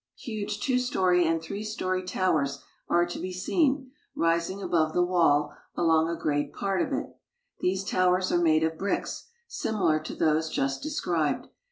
Huge two story and three story towers are to be seen, rising above the wall along a great part of it. These towers are made of bricks, similar to those just described.